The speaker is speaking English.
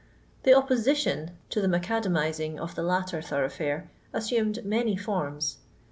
The opposition to the macadam izing of the latter thoroughfiire assumed many forms.